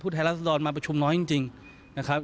ผู้แท้รัฐศาสตร์มาประชุมน้อยจริงนะครับ